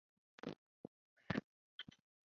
白洋淀缘口吸虫为棘口科缘口属的动物。